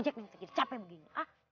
aku udah tau itu